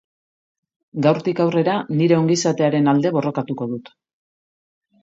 Gaurtik aurrera nire ongi-izatearen alde borrokatuko dut.